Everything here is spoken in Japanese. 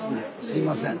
すいません